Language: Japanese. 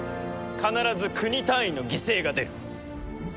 必ず国単位の犠牲が出る。